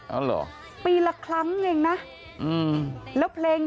เออเหรอปีละครั้ง